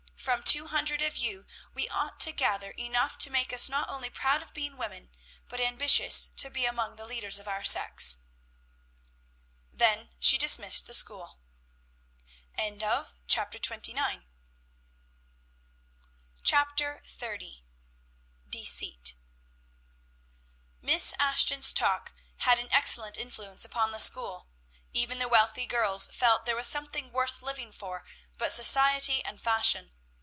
From two hundred of you, we ought to gather enough to make us not only proud of being women, but ambitious to be among the leaders of our sex." Then she dismissed the school. CHAPTER XXX. DECEIT. Miss Ashton's talk had an excellent influence upon the school. Even the wealthy girls felt there was something worth living for but society and fashion.